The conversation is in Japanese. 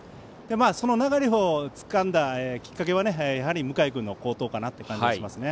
その流れをつかんだきっかけはやはり向井君の好投かなという感じがしますね。